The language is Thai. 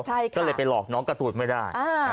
ก็เลยไปหลอกน้องการ์ตูนไม่ได้